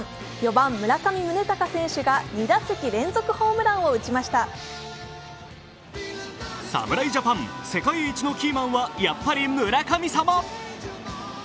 ４番・村上宗隆選手が２打席連続ホームランを打ちました侍ジャパン、世界一のキーマンはやっぱり村神様。